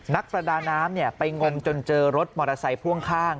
นักประดาน้ำไปงมจนเจอรถมอเตอร์ไซค์พ่วงข้าง